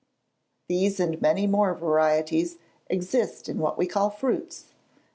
These and many more varieties exist in what we call fruits.